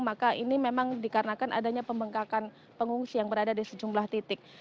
maka ini memang dikarenakan adanya pembengkakan pengungsi yang berada di sejumlah titik